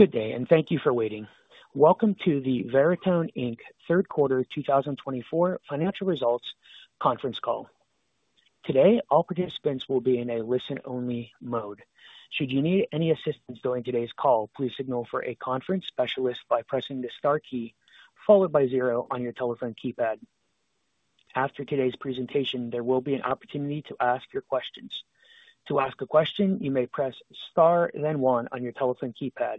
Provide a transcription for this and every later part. Good day, and thank you for waiting. Welcome to the Veritone Inc. Third Quarter 2024 Financial Results Conference Call. Today, all participants will be in a listen-only mode. Should you need any assistance during today's call, please signal for a conference specialist by pressing the star key followed by zero on your telephone keypad. After today's presentation, there will be an opportunity to ask your questions. To ask a question, you may press star, then one on your telephone keypad.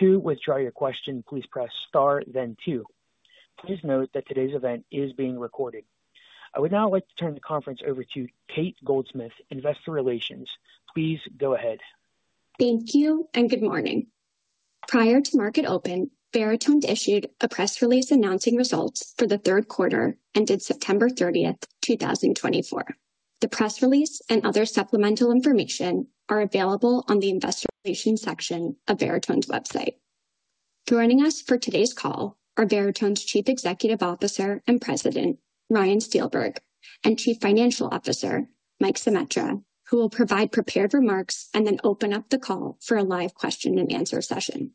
To withdraw your question, please press star, then two. Please note that today's event is being recorded. I would now like to turn the conference over to Cate Goldsmith, Investor Relations. Please go ahead. Thank you, and good morning. Prior to market open, Veritone issued a press release announcing results for the third quarter ended September 30th, 2024. The press release and other supplemental information are available on the Investor Relations section of Veritone's website. Joining us for today's call are Veritone's Chief Executive Officer and President, Ryan Steelberg, and Chief Financial Officer, Mike Zemetra, who will provide prepared remarks and then open up the call for a live question-and-answer session.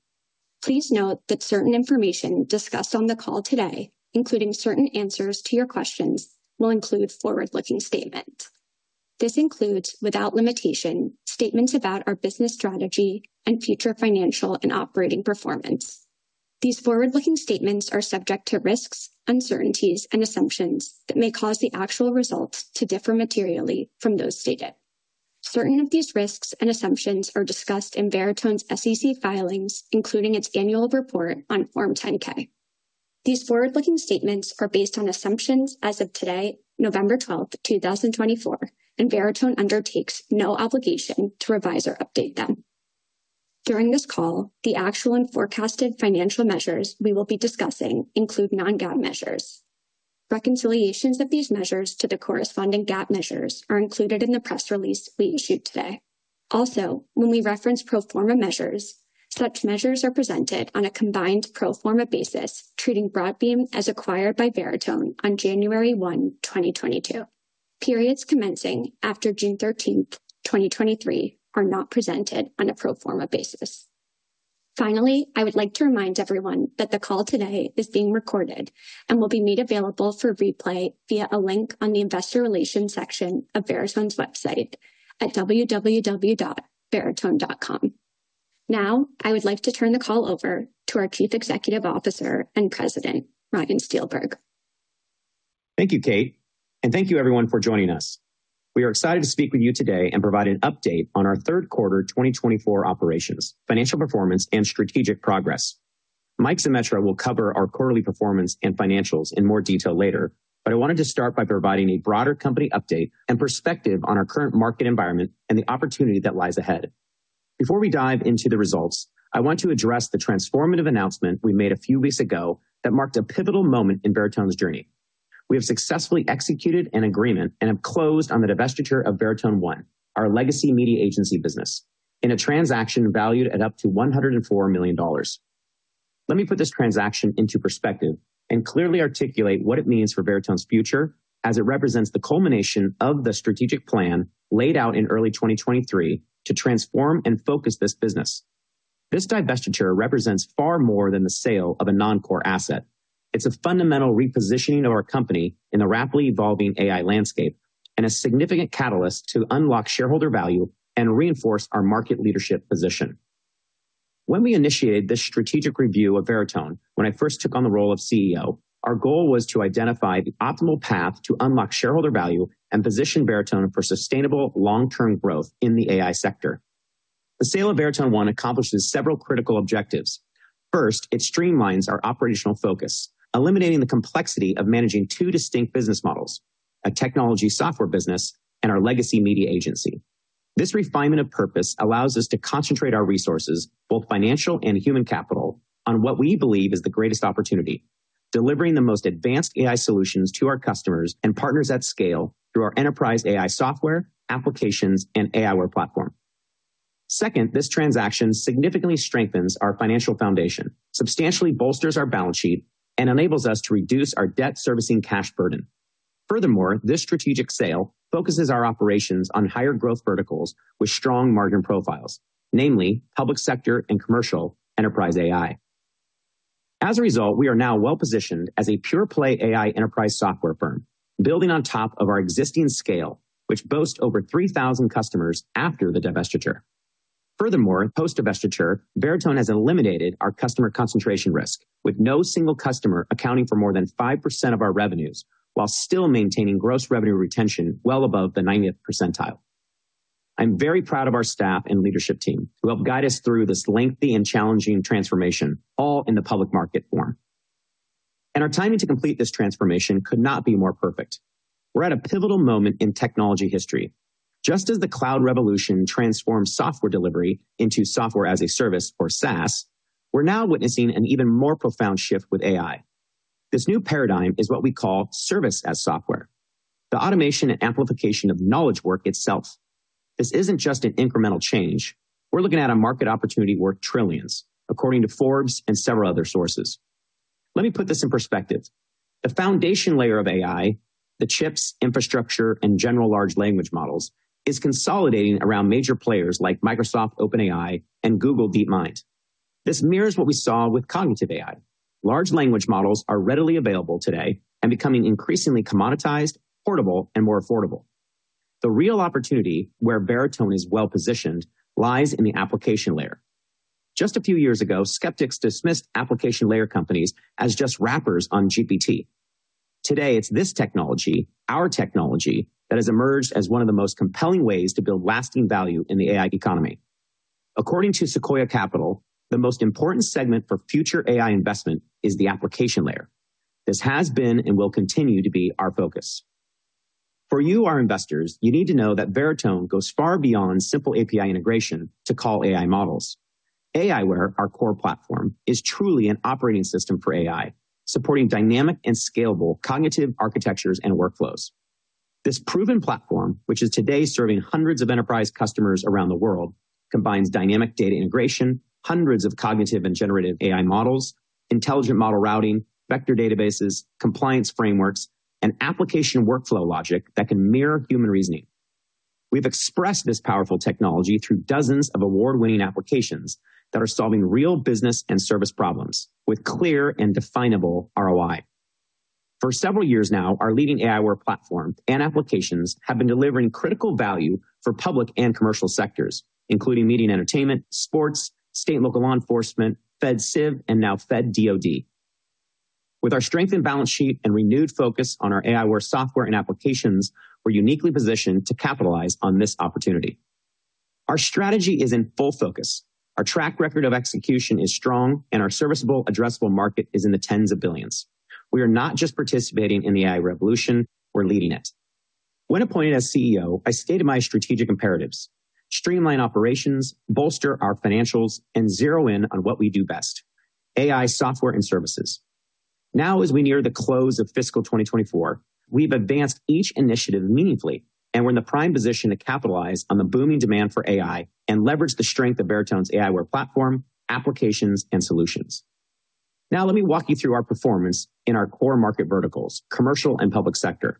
Please note that certain information discussed on the call today, including certain answers to your questions, will include forward-looking statements. This includes, without limitation, statements about our business strategy and future financial and operating performance. These forward-looking statements are subject to risks, uncertainties, and assumptions that may cause the actual results to differ materially from those stated. Certain of these risks and assumptions are discussed in Veritone's SEC filings, including its annual report on Form 10-K. These forward-looking statements are based on assumptions as of today, November 12th, 2024, and Veritone undertakes no obligation to revise or update them. During this call, the actual and forecasted financial measures we will be discussing include non-GAAP measures. Reconciliations of these measures to the corresponding GAAP measures are included in the press release we issued today. Also, when we reference pro forma measures, such measures are presented on a combined pro forma basis, treating Broadbean as acquired by Veritone on January 1, 2022. Periods commencing after June 13th, 2023, are not presented on a pro forma basis. Finally, I would like to remind everyone that the call today is being recorded and will be made available for replay via a link on the Investor Relations section of Veritone's website at www.veritone.com. Now, I would like to turn the call over to our Chief Executive Officer and President, Ryan Steelberg. Thank you, Cate, and thank you, everyone, for joining us. We are excited to speak with you today and provide an update on our third quarter 2024 operations, financial performance, and strategic progress. Mike Zemetra will cover our quarterly performance and financials in more detail later, but I wanted to start by providing a broader company update and perspective on our current market environment and the opportunity that lies ahead. Before we dive into the results, I want to address the transformative announcement we made a few weeks ago that marked a pivotal moment in Veritone's journey. We have successfully executed an agreement and have closed on the divestiture of Veritone One, our legacy media agency business, in a transaction valued at up to $104 million. Let me put this transaction into perspective and clearly articulate what it means for Veritone's future, as it represents the culmination of the strategic plan laid out in early 2023 to transform and focus this business. This divestiture represents far more than the sale of a non-core asset. It's a fundamental repositioning of our company in the rapidly evolving AI landscape and a significant catalyst to unlock shareholder value and reinforce our market leadership position. When we initiated this strategic review of Veritone, when I first took on the role of CEO, our goal was to identify the optimal path to unlock shareholder value and position Veritone for sustainable long-term growth in the AI sector. The sale of Veritone One accomplishes several critical objectives. First, it streamlines our operational focus, eliminating the complexity of managing two distinct business models: a technology software business and our legacy media agency. This refinement of purpose allows us to concentrate our resources, both financial and human capital, on what we believe is the greatest opportunity, delivering the most advanced AI solutions to our customers and partners at scale through our enterprise AI software, applications, and aiWARE platform. Second, this transaction significantly strengthens our financial foundation, substantially bolsters our balance sheet, and enables us to reduce our debt servicing cash burden. Furthermore, this strategic sale focuses our operations on higher growth verticals with strong margin profiles, namely public sector and commercial enterprise AI. As a result, we are now well positioned as a pure-play AI enterprise software firm, building on top of our existing scale, which boasts over 3,000 customers after the divestiture. Furthermore, post-divestiture, Veritone has eliminated our customer concentration risk, with no single customer accounting for more than 5% of our revenues, while still maintaining gross revenue retention well above the 90th percentile. I'm very proud of our staff and leadership team who helped guide us through this lengthy and challenging transformation, all in the public market form, and our timing to complete this transformation could not be more perfect. We're at a pivotal moment in technology history. Just as the cloud revolution transformed software delivery into software as a service, or SaaS, we're now witnessing an even more profound shift with AI. This new paradigm is what we call service as software, the automation and amplification of knowledge work itself. This isn't just an incremental change. We're looking at a market opportunity worth trillions, according to Forbes and several other sources. Let me put this in perspective. The foundation layer of AI, the chips, infrastructure, and general large language models, is consolidating around major players like Microsoft, OpenAI, and Google DeepMind. This mirrors what we saw with cognitive AI. Large language models are readily available today and becoming increasingly commoditized, portable, and more affordable. The real opportunity where Veritone is well positioned lies in the application layer. Just a few years ago, skeptics dismissed application layer companies as just wrappers on GPT. Today, it's this technology, our technology, that has emerged as one of the most compelling ways to build lasting value in the AI economy. According to Sequoia Capital, the most important segment for future AI investment is the application layer. This has been and will continue to be our focus. For you, our investors, you need to know that Veritone goes far beyond simple API integration to call AI models. aiWARE, our core platform, is truly an operating system for AI, supporting dynamic and scalable cognitive architectures and workflows. This proven platform, which is today serving hundreds of enterprise customers around the world, combines dynamic data integration, hundreds of cognitive and generative AI models, intelligent model routing, vector databases, compliance frameworks, and application workflow logic that can mirror human reasoning. We've expressed this powerful technology through dozens of award-winning applications that are solving real business and service problems with clear and definable ROI. For several years now, our leading aiWARE platform and applications have been delivering critical value for public and commercial sectors, including media and entertainment, sports, state and local law enforcement, FedCiv, and now FedDoD. With our strengthened balance sheet and renewed focus on our aiWARE software and applications, we're uniquely positioned to capitalize on this opportunity. Our strategy is in full focus. Our track record of execution is strong, and our serviceable addressable market is in the tens of billions. We are not just participating in the AI revolution, we're leading it. When appointed as CEO, I stated my strategic imperatives: streamline operations, bolster our financials, and zero in on what we do best: AI software and services. Now, as we near the close of fiscal 2024, we've advanced each initiative meaningfully, and we're in the prime position to capitalize on the booming demand for AI and leverage the strength of Veritone's aiWARE platform, applications, and solutions. Now, let me walk you through our performance in our core market verticals, commercial and public sector.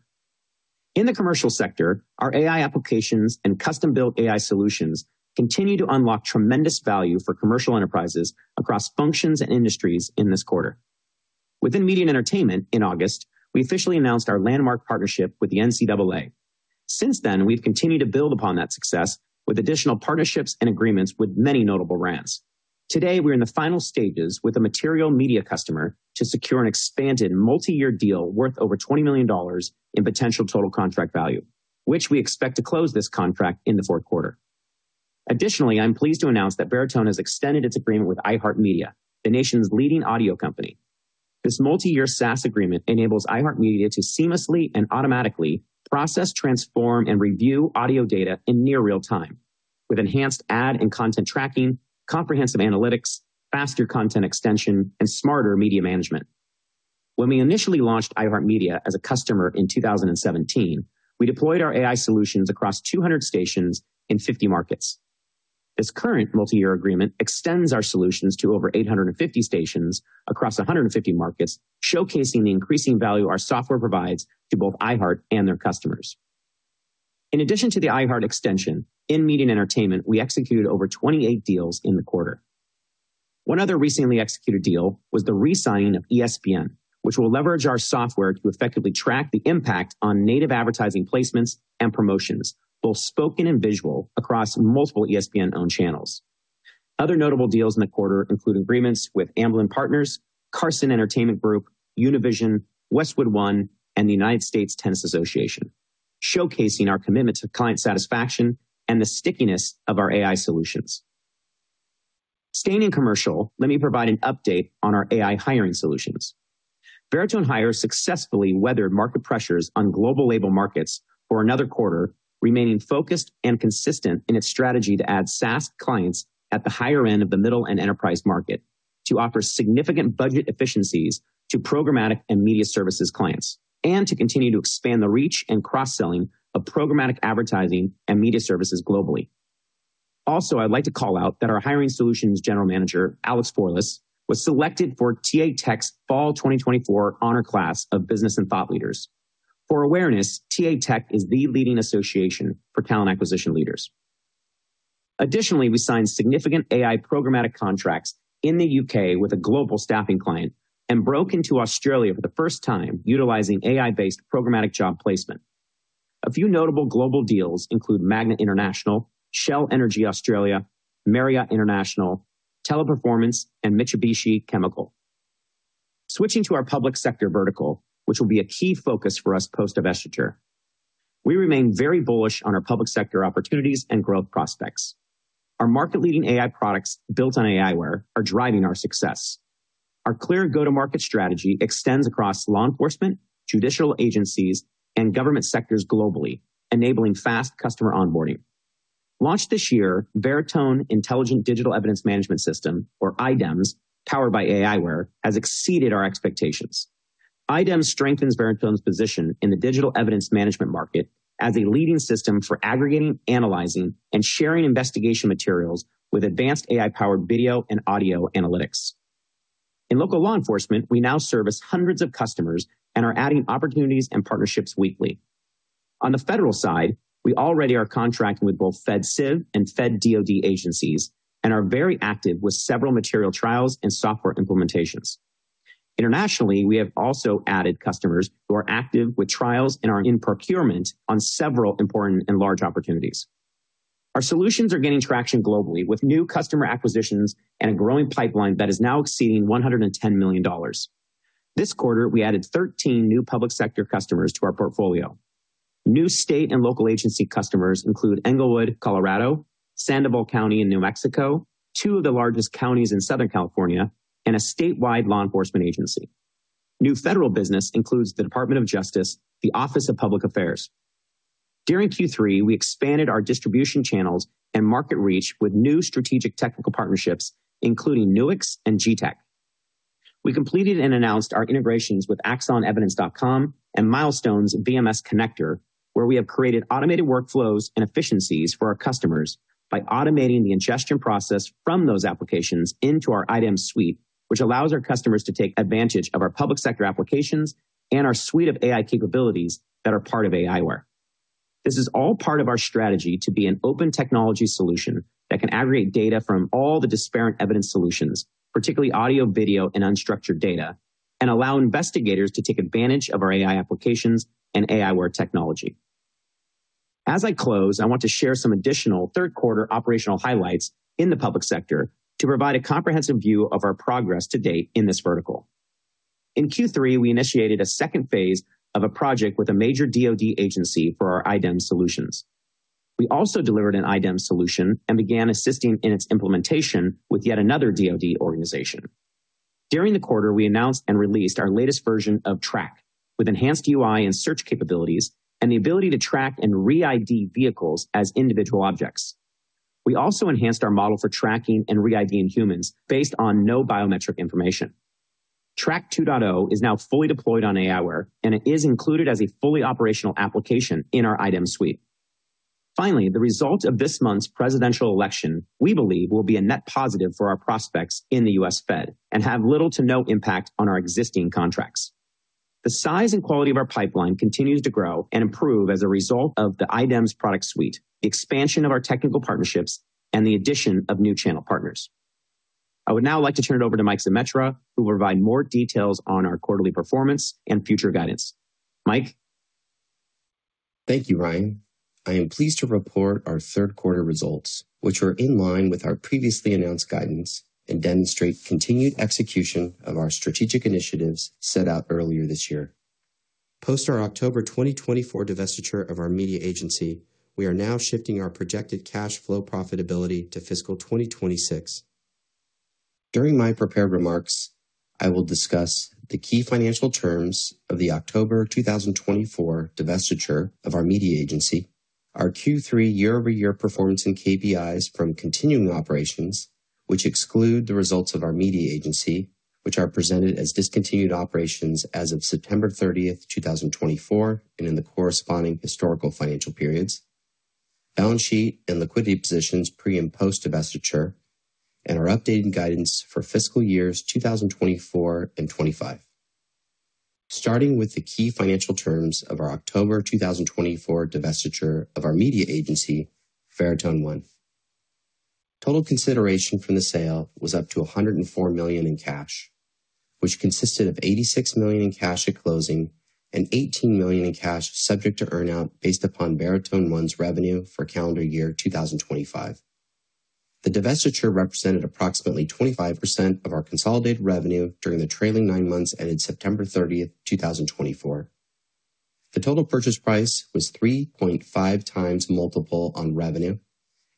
In the commercial sector, our AI applications and custom-built AI solutions continue to unlock tremendous value for commercial enterprises across functions and industries in this quarter. Within media and entertainment, in August, we officially announced our landmark partnership with the NCAA. Since then, we've continued to build upon that success with additional partnerships and agreements with many notable brands. Today, we're in the final stages with a material media customer to secure an expanded multi-year deal worth over $20 million in potential total contract value, which we expect to close this contract in the fourth quarter. Additionally, I'm pleased to announce that Veritone has extended its agreement with iHeartMedia, the nation's leading audio company. This multi-year SaaS agreement enables iHeartMedia to seamlessly and automatically process, transform, and review audio data in near real time, with enhanced ad and content tracking, comprehensive analytics, faster content extension, and smarter media management. When we initially launched iHeartMedia as a customer in 2017, we deployed our AI solutions across 200 stations in 50 markets. This current multi-year agreement extends our solutions to over 850 stations across 150 markets, showcasing the increasing value our software provides to both iHeart and their customers. In addition to the iHeart extension, in media and entertainment, we executed over 28 deals in the quarter. One other recently executed deal was the re-signing of ESPN, which will leverage our software to effectively track the impact on native advertising placements and promotions, both spoken and visual, across multiple ESPN-owned channels. Other notable deals in the quarter include agreements with Amblin Partners, Carson Entertainment Group, Univision, Westwood One, and the United States Tennis Association, showcasing our commitment to client satisfaction and the stickiness of our AI solutions. Staying in commercial, let me provide an update on our AI hiring solutions. Veritone Hire successfully weathered market pressures on global label markets for another quarter, remaining focused and consistent in its strategy to add SaaS clients at the higher end of the middle and enterprise market, to offer significant budget efficiencies to programmatic and media services clients, and to continue to expand the reach and cross-selling of programmatic advertising and media services globally. Also, I'd like to call out that our hiring solutions general manager, Alex Fourlis, was selected for TAtech's Fall 2024 Honor Class of Business and Thought Leaders. For awareness, TAtech is the leading association for talent acquisition leaders. Additionally, we signed significant AI programmatic contracts in the U.K. with a global staffing client and broke into Australia for the first time, utilizing AI-based programmatic job placement. A few notable global deals include Magna International, Shell Energy Australia, Marriott International, Teleperformance, and Mitsubishi Chemical. Switching to our public sector vertical, which will be a key focus for us post-divestiture, we remain very bullish on our public sector opportunities and growth prospects. Our market-leading AI products built on aiWARE are driving our success. Our clear go-to-market strategy extends across law enforcement, judicial agencies, and government sectors globally, enabling fast customer onboarding. Launched this year, Veritone Intelligent Digital Evidence Management System, or iDEMS, powered by aiWARE, has exceeded our expectations. iDEMS strengthens Veritone's position in the digital evidence management market as a leading system for aggregating, analyzing, and sharing investigation materials with advanced AI-powered video and audio analytics. In local law enforcement, we now service hundreds of customers and are adding opportunities and partnerships weekly. On the federal side, we already are contracting with both FedCiv and FedDoD agencies and are very active with several material trials and software implementations. Internationally, we have also added customers who are active with trials and are in procurement on several important and large opportunities. Our solutions are gaining traction globally with new customer acquisitions and a growing pipeline that is now exceeding $110 million. This quarter, we added 13 new public sector customers to our portfolio. New state and local agency customers include Englewood, Colorado, Sandoval County in New Mexico, two of the largest counties in Southern California, and a statewide law enforcement agency. New federal business includes the Department of Justice, the Office of Public Affairs. During Q3, we expanded our distribution channels and market reach with new strategic technical partnerships, including Nuix and Getac. We completed and announced our integrations with Axon's Evidence.com and Milestone's VMS Connector, where we have created automated workflows and efficiencies for our customers by automating the ingestion process from those applications into our iDEMS suite, which allows our customers to take advantage of our public sector applications and our suite of AI capabilities that are part of aiWARE. This is all part of our strategy to be an open technology solution that can aggregate data from all the disparate evidence solutions, particularly audio, video, and unstructured data, and allow investigators to take advantage of our AI applications and aiWARE technology. As I close, I want to share some additional third-quarter operational highlights in the public sector to provide a comprehensive view of our progress to date in this vertical. In Q3, we initiated a second phase of a project with a major DoD agency for our iDEMS solutions. We also delivered an iDEMS solution and began assisting in its implementation with yet another DoD organization. During the quarter, we announced and released our latest version of Track, with enhanced UI and search capabilities and the ability to track and re-ID vehicles as individual objects. We also enhanced our model for tracking and re-IDing humans based on no biometric information. Track 2.0 is now fully deployed on aiWARE, and it is included as a fully operational application in our iDEMS suite. Finally, the result of this month's presidential election, we believe, will be a net positive for our prospects in the U.S. Fed and have little to no impact on our existing contracts. The size and quality of our pipeline continues to grow and improve as a result of the iDEMS product suite, the expansion of our technical partnerships, and the addition of new channel partners. I would now like to turn it over to Mike Zemetra, who will provide more details on our quarterly performance and future guidance. Mike. Thank you, Ryan. I am pleased to report our third-quarter results, which are in line with our previously announced guidance and demonstrate continued execution of our strategic initiatives set out earlier this year. Post our October 2024 divestiture of our media agency, we are now shifting our projected cash flow profitability to fiscal 2026. During my prepared remarks, I will discuss the key financial terms of the October 2024 divestiture of our media agency, our Q3 year-over-year performance and KPIs from continuing operations, which exclude the results of our media agency, which are presented as discontinued operations as of September 30th, 2024, and in the corresponding historical financial periods, balance sheet and liquidity positions pre and post-divestiture, and our updated guidance for fiscal years 2024 and 2025. Starting with the key financial terms of our October 2024 divestiture of our media agency, Veritone One. Total consideration from the sale was up to $104 million in cash, which consisted of $86 million in cash at closing and $18 million in cash subject to earnout based upon Veritone One's revenue for calendar year 2025. The divestiture represented approximately 25% of our consolidated revenue during the trailing nine months ended September 30th, 2024. The total purchase price was 3.5x multiple on revenue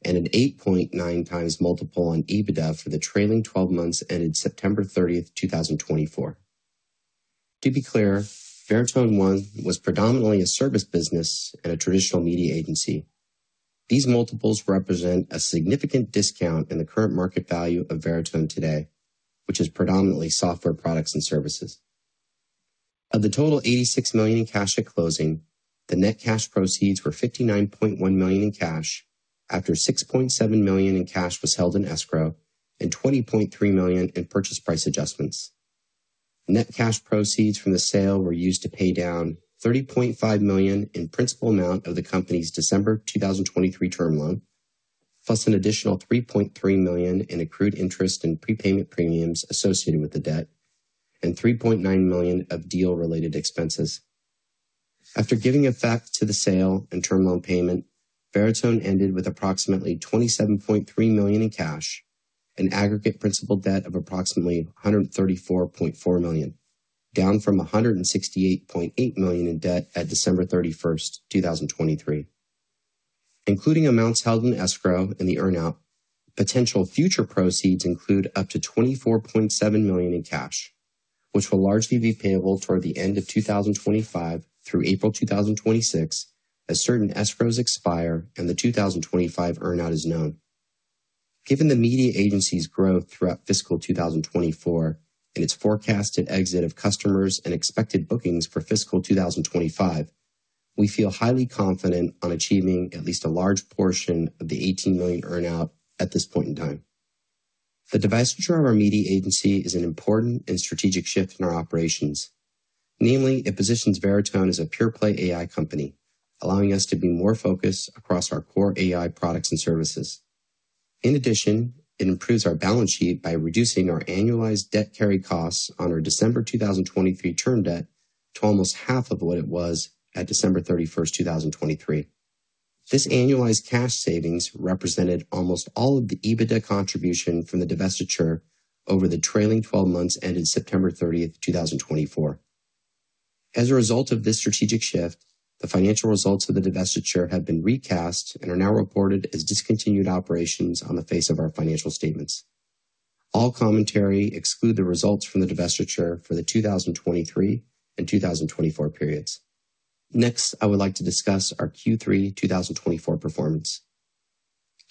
and an 8.9x multiple on EBITDA for the trailing 12 months ended September 30th, 2024. To be clear, Veritone One was predominantly a service business and a traditional media agency. These multiples represent a significant discount in the current market value of Veritone today, which is predominantly software products and services. Of the total $86 million in cash at closing, the net cash proceeds were $59.1 million in cash after $6.7 million in cash was held in escrow and $20.3 million in purchase price adjustments. Net cash proceeds from the sale were used to pay down $30.5 million in principal amount of the company's December 2023 term loan, plus an additional $3.3 million in accrued interest and prepayment premiums associated with the debt, and $3.9 million of deal-related expenses. After giving effect to the sale and term loan payment, Veritone ended with approximately $27.3 million in cash and aggregate principal debt of approximately $134.4 million, down from $168.8 million in debt at December 31st, 2023. Including amounts held in escrow and the earnout, potential future proceeds include up to $24.7 million in cash, which will largely be payable toward the end of 2025 through April 2026, as certain escrows expire and the 2025 earnout is known. Given the media agency's growth throughout fiscal 2024 and its forecasted exit of customers and expected bookings for fiscal 2025, we feel highly confident on achieving at least a large portion of the $18 million earnout at this point in time. The divestiture of our media agency is an important and strategic shift in our operations. Namely, it positions Veritone as a pure-play AI company, allowing us to be more focused across our core AI products and services. In addition, it improves our balance sheet by reducing our annualized debt-carry costs on our December 2023 term debt to almost half of what it was at December 31st, 2023. This annualized cash savings represented almost all of the EBITDA contribution from the divestiture over the trailing 12 months ended September 30th, 2024. As a result of this strategic shift, the financial results of the divestiture have been recast and are now reported as discontinued operations on the face of our financial statements. All commentary excludes the results from the divestiture for the 2023 and 2024 periods. Next, I would like to discuss our Q3 2024 performance.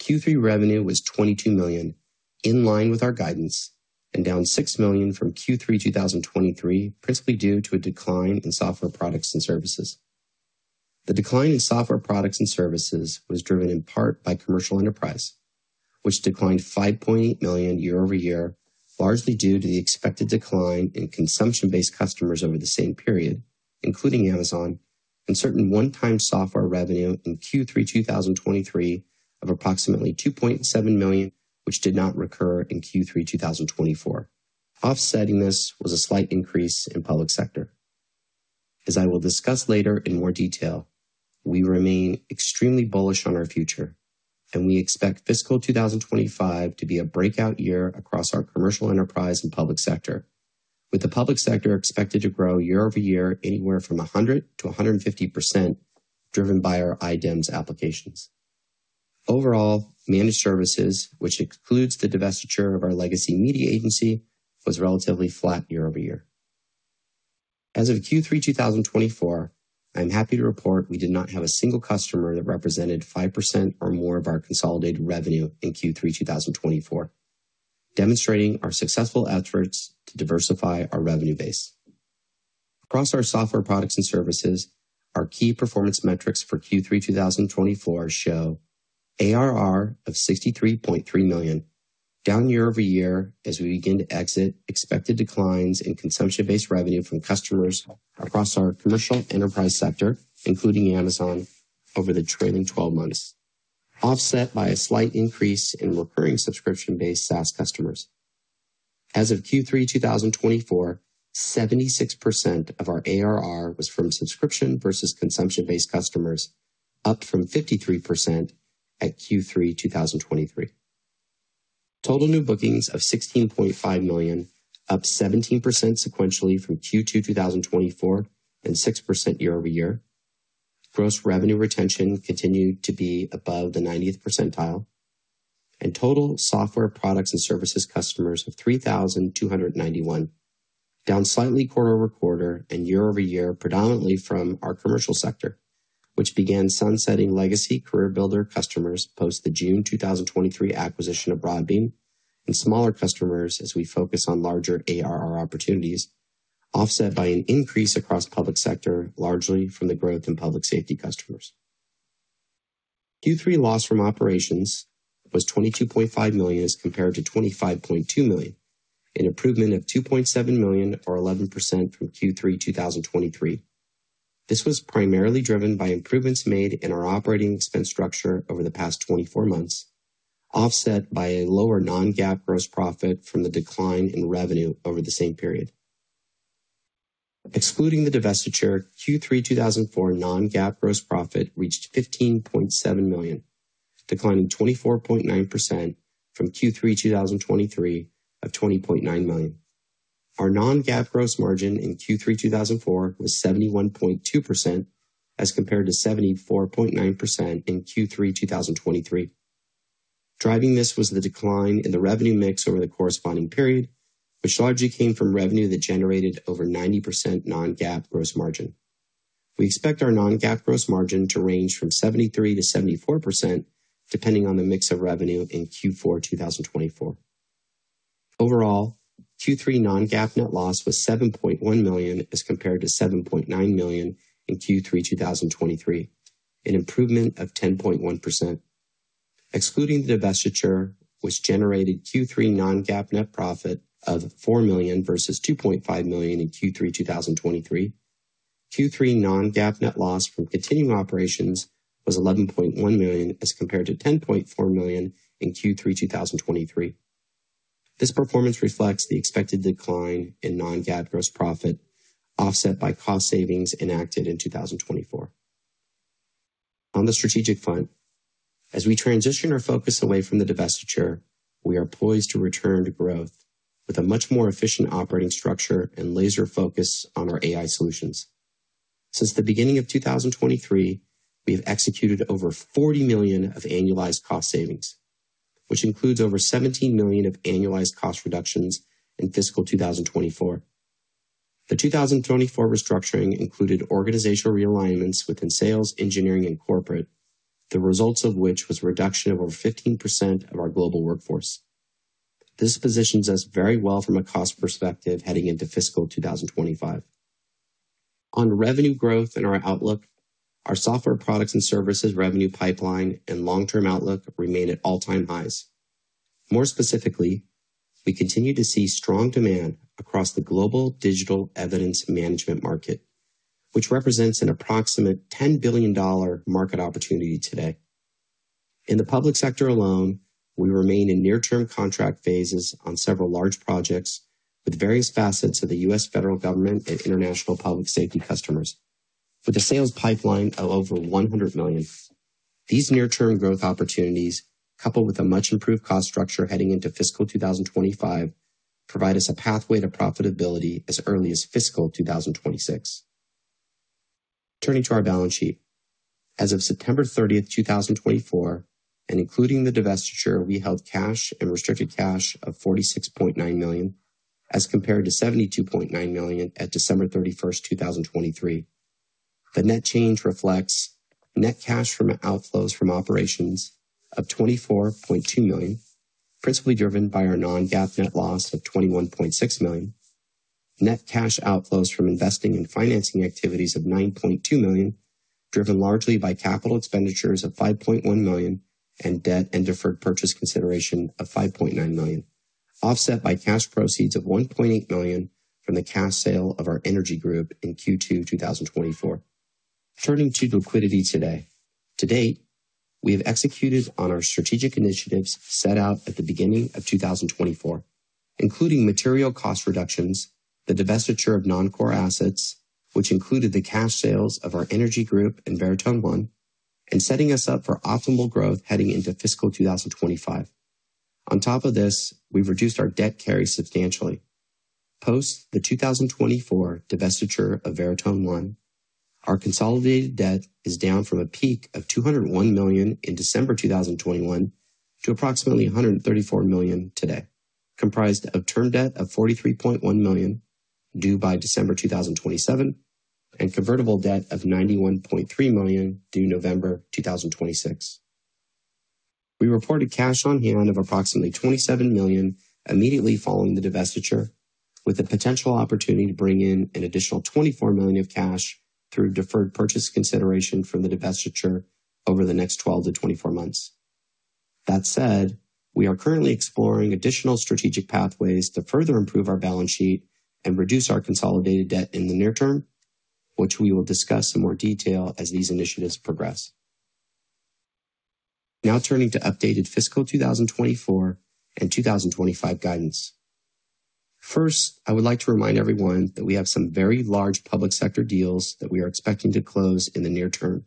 Q3 revenue was $22 million, in line with our guidance, and down $6 million from Q3 2023, principally due to a decline in software products and services. The decline in software products and services was driven in part by commercial enterprise, which declined $5.8 million year-over-year, largely due to the expected decline in consumption-based customers over the same period, including Amazon, and certain one-time software revenue in Q3 2023 of approximately $2.7 million, which did not recur in Q3 2024. Offsetting this was a slight increase in public sector. As I will discuss later in more detail, we remain extremely bullish on our future, and we expect fiscal 2025 to be a breakout year across our commercial enterprise and public sector, with the public sector expected to grow year-over-year anywhere from 100%-150%, driven by our iDEMS applications. Overall, managed services, which excludes the divestiture of our legacy media agency, was relatively flat year-over-year. As of Q3 2024, I am happy to report we did not have a single customer that represented 5% or more of our consolidated revenue in Q3 2024, demonstrating our successful efforts to diversify our revenue base. Across our software products and services, our key performance metrics for Q3 2024 show ARR of $63.3 million, down year-over-year as we begin to exit expected declines in consumption-based revenue from customers across our commercial enterprise sector, including Amazon, over the trailing 12 months, offset by a slight increase in recurring subscription-based SaaS customers. As of Q3 2024, 76% of our ARR was from subscription versus consumption-based customers, up from 53% at Q3 2023. Total new bookings of $16.5 million, up 17% sequentially from Q2 2024 and 6% year-over-year. Gross revenue retention continued to be above the 90th percentile, and total software products and services customers of 3,291, down slightly quarter-over-quarter and year-over-year, predominantly from our commercial sector, which began sunsetting legacy CareerBuilder customers post the June 2023 acquisition of Broadbean and smaller customers as we focus on larger ARR opportunities, offset by an increase across public sector, largely from the growth in public safety customers. Q3 loss from operations was $22.5 million as compared to $25.2 million, an improvement of $2.7 million or 11% from Q3 2023. This was primarily driven by improvements made in our operating expense structure over the past 24 months, offset by a lower non-GAAP gross profit from the decline in revenue over the same period. Excluding the divestiture, Q3 2024 non-GAAP gross profit reached $15.7 million, declining 24.9% from Q3 2023 of $20.9 million. Our non-GAAP gross margin in Q3 2024 was 71.2% as compared to 74.9% in Q3 2023. Driving this was the decline in the revenue mix over the corresponding period, which largely came from revenue that generated over 90% non-GAAP gross margin. We expect our non-GAAP gross margin to range from 73%-74%, depending on the mix of revenue in Q4 2024. Overall, Q3 non-GAAP net loss was $7.1 million as compared to $7.9 million in Q3 2023, an improvement of 10.1%. Excluding the divestiture, which generated Q3 non-GAAP net profit of $4 million versus $2.5 million in Q3 2023, Q3 non-GAAP net loss from continuing operations was $11.1 million as compared to $10.4 million in Q3 2023. This performance reflects the expected decline in non-GAAP gross profit, offset by cost savings enacted in 2024. On the strategic front, as we transition our focus away from the divestiture, we are poised to return to growth with a much more efficient operating structure and laser focus on our AI solutions. Since the beginning of 2023, we have executed over $40 million of annualized cost savings, which includes over $17 million of annualized cost reductions in fiscal 2024. The 2024 restructuring included organizational realignments within sales, engineering, and corporate, the results of which was a reduction of over 15% of our global workforce. This positions us very well from a cost perspective heading into fiscal 2025. On revenue growth and our outlook, our software products and services revenue pipeline and long-term outlook remain at all-time highs. More specifically, we continue to see strong demand across the global digital evidence management market, which represents an approximate $10 billion market opportunity today. In the public sector alone, we remain in near-term contract phases on several large projects with various facets of the U.S. federal government and international public safety customers. With a sales pipeline of over $100 million, these near-term growth opportunities, coupled with a much-improved cost structure heading into fiscal 2025, provide us a pathway to profitability as early as fiscal 2026. Turning to our balance sheet, as of September 30th, 2024, and including the divestiture, we held cash and restricted cash of $46.9 million as compared to $72.9 million at December 31st, 2023. The net change reflects net cash from outflows from operations of $24.2 million, principally driven by our non-GAAP net loss of $21.6 million, net cash outflows from investing and financing activities of $9.2 million, driven largely by capital expenditures of $5.1 million and debt and deferred purchase consideration of $5.9 million, offset by cash proceeds of $1.8 million from the cash sale of our energy group in Q2 2024. Turning to liquidity today, to date, we have executed on our strategic initiatives set out at the beginning of 2024, including material cost reductions, the divestiture of non-core assets, which included the cash sales of our energy group and Veritone One, and setting us up for optimal growth heading into fiscal 2025. On top of this, we've reduced our debt carry substantially. Post the 2024 divestiture of Veritone One, our consolidated debt is down from a peak of $201 million in December 2021 to approximately $134 million today, comprised of term debt of $43.1 million due by December 2027 and convertible debt of $91.3 million due November 2026. We reported cash on hand of approximately $27 million immediately following the divestiture, with the potential opportunity to bring in an additional $24 million of cash through deferred purchase consideration from the divestiture over the next 12months-24 months. That said, we are currently exploring additional strategic pathways to further improve our balance sheet and reduce our consolidated debt in the near term, which we will discuss in more detail as these initiatives progress. Now turning to updated fiscal 2024 and 2025 guidance. First, I would like to remind everyone that we have some very large public sector deals that we are expecting to close in the near term.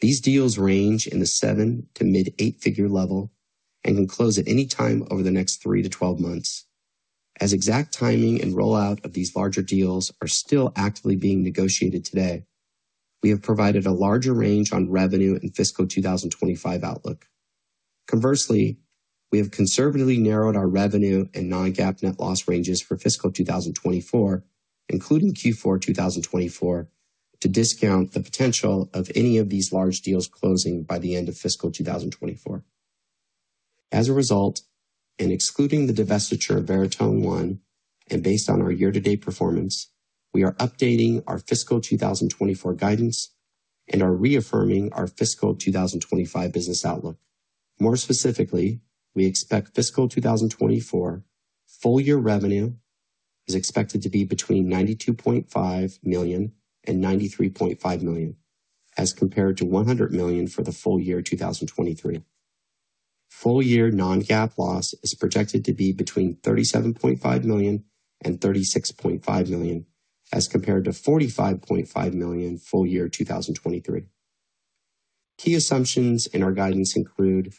These deals range in the seven to mid-eight-figure level and can close at any time over the next three to 12 months. As exact timing and rollout of these larger deals are still actively being negotiated today, we have provided a larger range on revenue and fiscal 2025 outlook. Conversely, we have conservatively narrowed our revenue and non-GAAP net loss ranges for fiscal 2024, including Q4 2024, to discount the potential of any of these large deals closing by the end of fiscal 2024. As a result, and excluding the divestiture of Veritone One and based on our year-to-date performance, we are updating our fiscal 2024 guidance and are reaffirming our fiscal 2025 business outlook. More specifically, we expect fiscal 2024 full-year revenue is expected to be between $92.5 million and $93.5 million as compared to $100 million for the full year 2023. Full-year non-GAAP loss is projected to be between $37.5 million and $36.5 million as compared to $45.5 million full year 2023. Key assumptions in our guidance include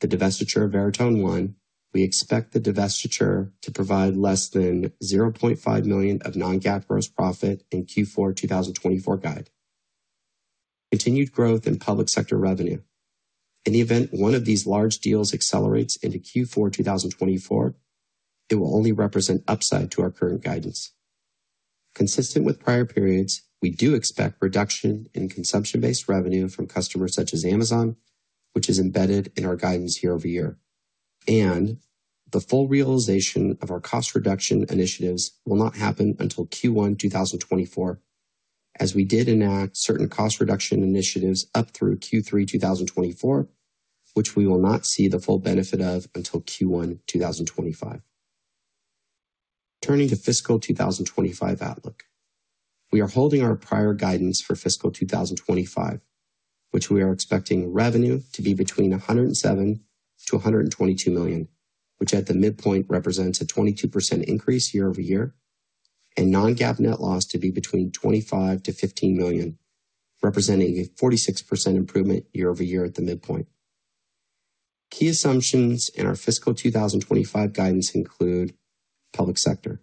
the divestiture of Veritone One. We expect the divestiture to provide less than $0.5 million of non-GAAP gross profit in Q4 2024 guide. Continued growth in public sector revenue. In the event one of these large deals accelerates into Q4 2024, it will only represent upside to our current guidance. Consistent with prior periods, we do expect reduction in consumption-based revenue from customers such as Amazon, which is embedded in our guidance year-over-year, and the full realization of our cost reduction initiatives will not happen until Q1 2024, as we did enact certain cost reduction initiatives up through Q3 2024, which we will not see the full benefit of until Q1 2025. Turning to fiscal 2025 outlook, we are holding our prior guidance for fiscal 2025, which we are expecting revenue to be between $107 million-$122 million, which at the midpoint represents a 22% increase year-over-year, and non-GAAP net loss to be between $25 million-$15 million, representing a 46% improvement year-over-year at the midpoint. Key assumptions in our fiscal 2025 guidance include public sector.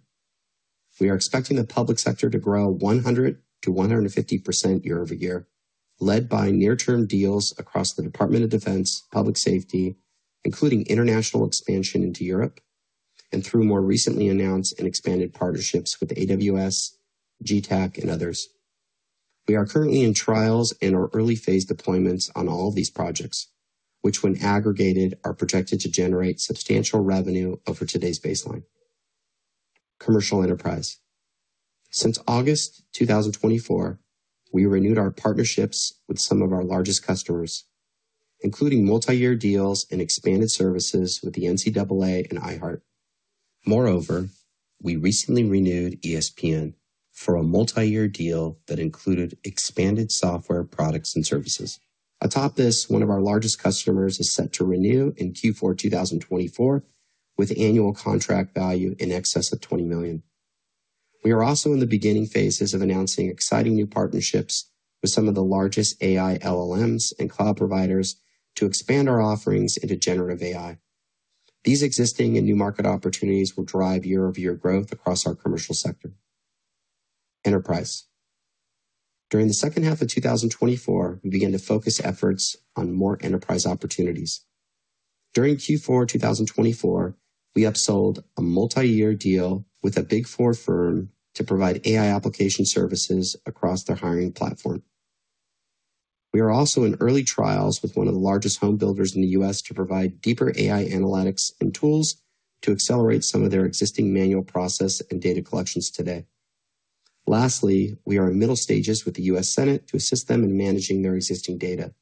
We are expecting the public sector to grow 100%-150% year-over-year, led by near-term deals across the Department of Defense, public safety, including international expansion into Europe, and through more recently announced and expanded partnerships with AWS, Getac, and others. We are currently in trials and are early-phase deployments on all of these projects, which when aggregated are projected to generate substantial revenue over today's baseline. Commercial enterprise. Since August 2024, we renewed our partnerships with some of our largest customers, including multi-year deals and expanded services with the NCAA and iHeart. Moreover, we recently renewed ESPN for a multi-year deal that included expanded software products and services. Atop this, one of our largest customers is set to renew in Q4 2024 with annual contract value in excess of $20 million. We are also in the beginning phases of announcing exciting new partnerships with some of the largest AI LLMs and cloud providers to expand our offerings into generative AI. These existing and new market opportunities will drive year-over-year growth across our commercial sector enterprise. During the second half of 2024, we began to focus efforts on more enterprise opportunities. During Q4 2024, we upsold a multi-year deal with a Big Four firm to provide AI application services across their hiring platform. We are also in early trials with one of the largest homebuilders in the U.S. to provide deeper AI analytics and tools to accelerate some of their existing manual process and data collections today. Lastly, we are in middle stages with the U.S. Senate to assist them in managing their existing data.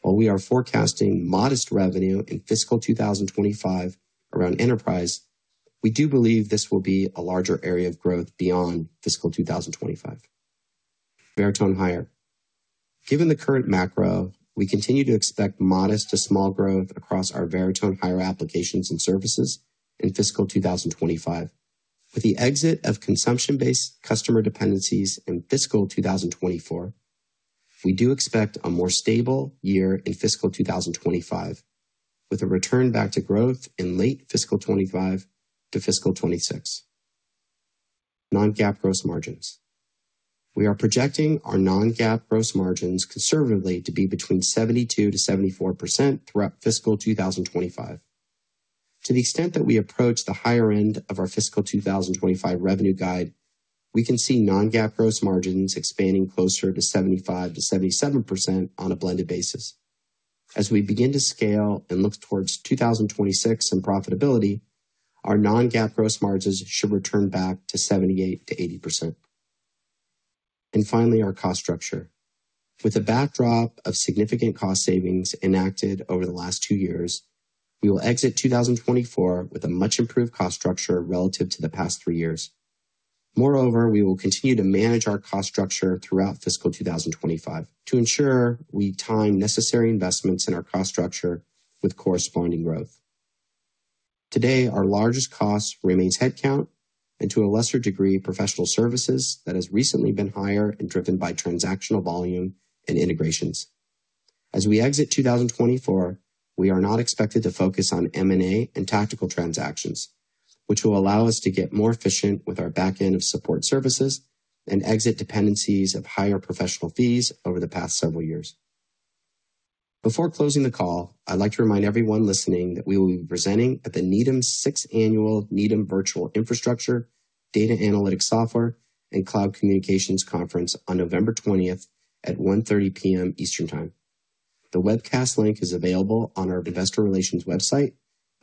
While we are forecasting modest revenue in fiscal 2025 around enterprise, we do believe this will be a larger area of growth beyond fiscal 2025. Veritone Hire. Given the current macro, we continue to expect modest to small growth across our Veritone Hire applications and services in fiscal 2025. With the exit of consumption-based customer dependencies in fiscal 2024, we do expect a more stable year in fiscal 2025, with a return back to growth in late fiscal 2025 to fiscal 2026. Non-GAAP gross margins. We are projecting our non-GAAP gross margins conservatively to be between 72%-74% throughout fiscal 2025. To the extent that we approach the higher end of our fiscal 2025 revenue guide, we can see non-GAAP gross margins expanding closer to 75%-77% on a blended basis. As we begin to scale and look towards 2026 and profitability, our non-GAAP gross margins should return back to 78%-80%, and finally, our cost structure, with the backdrop of significant cost savings enacted over the last two years, we will exit 2024 with a much-improved cost structure relative to the past three years. Moreover, we will continue to manage our cost structure throughout fiscal 2025 to ensure we time necessary investments in our cost structure with corresponding growth. Today, our largest cost remains headcount and, to a lesser degree, professional services that has recently been higher and driven by transactional volume and integrations. As we exit 2024, we are not expected to focus on M&A and tactical transactions, which will allow us to get more efficient with our backend of support services and exit dependencies of higher professional fees over the past several years. Before closing the call, I'd like to remind everyone listening that we will be presenting at the Needham's Sixth Annual Needham Virtual Infrastructure Data Analytics Software and Cloud Communications Conference on November 20th at 1:30 P.M. Eastern Time. The webcast link is available on our investor relations website.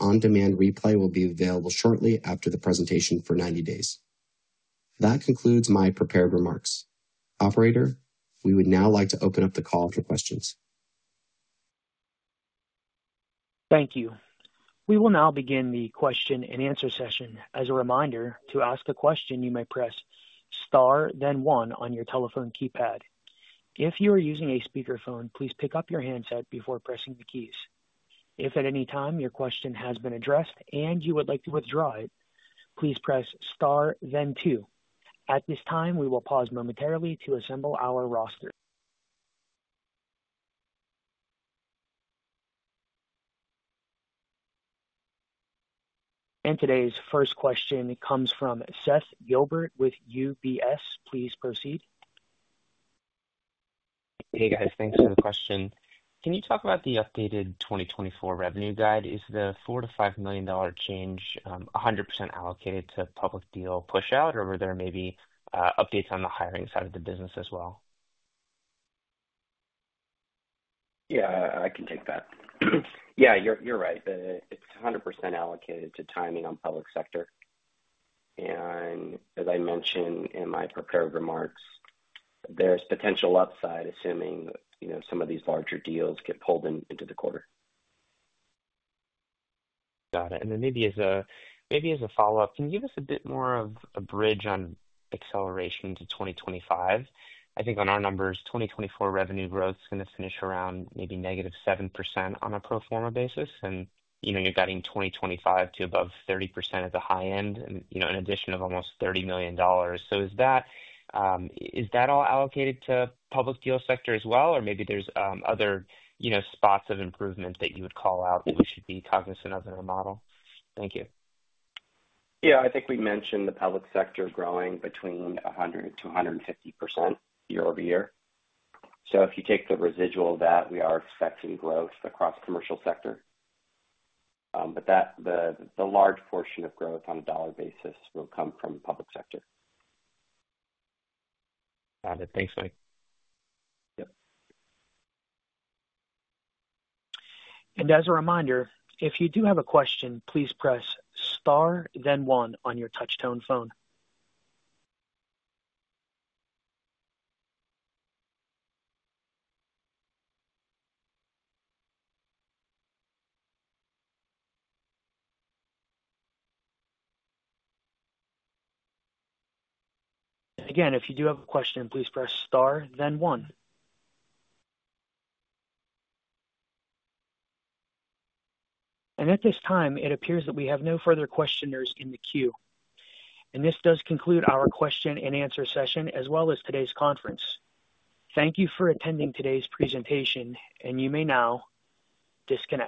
On-demand replay will be available shortly after the presentation for 90 days. That concludes my prepared remarks. Operator, we would now like to open up the call for questions. Thank you. We will now begin the question and answer session. As a reminder, to ask a question, you may press star, then one on your telephone keypad. If you are using a speakerphone, please pick up your handset before pressing the keys. If at any time your question has been addressed and you would like to withdraw it, please press star, then two. At this time, we will pause momentarily to assemble our roster. And today's first question comes from Seth Gilbert with UBS. Please proceed. Hey, guys. Thanks for the question. Can you talk about the updated 2024 revenue guide? Is the $4-$5 million change 100% allocated to public sector deal push-out, or were there maybe updates on the hiring side of the business as well? Yeah, I can take that. Yeah, you're right. It's 100% allocated to timing on public sector. And as I mentioned in my prepared remarks, there's potential upside assuming some of these larger deals get pulled into the quarter. Got it. And then maybe as a follow-up, can you give us a bit more of a bridge on acceleration to 2025? I think on our numbers, 2024 revenue growth is going to finish around maybe -7% on a pro forma basis. You're getting 2025 to above 30% at the high end, an addition of almost $30 million. So is that all allocated to public sector as well, or maybe there's other spots of improvement that you would call out that we should be cognizant of in our model? Thank you. Yeah, I think we mentioned the public sector growing between 100%-150% year-over-year. So if you take the residual of that, we are expecting growth across commercial sector. But the large portion of growth on a dollar basis will come from public sector. Got it. Thanks, Mike. Yep. And as a reminder, if you do have a question, please press star, then one on your touch-tone phone. Again, if you do have a question, please press star, then one. And at this time, it appears that we have no further questioners in the queue. This does conclude our question and answer session, as well as today's conference. Thank you for attending today's presentation, and you may now disconnect.